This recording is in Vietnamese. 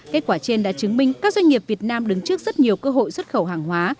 kết quả trên đã chứng minh các doanh nghiệp việt nam đứng trước rất nhiều cơ hội xuất khẩu hàng hóa